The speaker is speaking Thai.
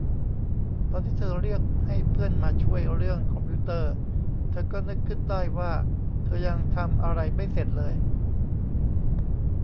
ตอนที่เธอเรียกให้เพื่อนมาช่วยเรื่องคอมพิวเตอร์ เธอก็นึกขึ้นได้ว่าเธอยังทำอะไรไม่เสร็จเลย